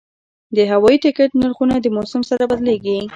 د هوایي ټکټ نرخونه د موسم سره بدلېږي.